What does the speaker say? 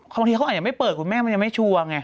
บางทีเขาอาจจะไม่เปิดคุณแม่มันยังไม่ชัวร์ไง